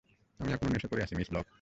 আমি এখনো নেশা করে আছি, মিস ব্লক।